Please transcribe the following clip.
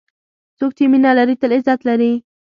څوک چې مینه لري، تل عزت لري.